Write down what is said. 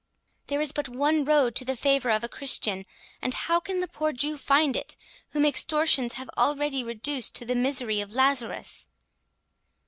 there is but one road to the favour of a Christian, and how can the poor Jew find it, whom extortions have already reduced to the misery of Lazarus?"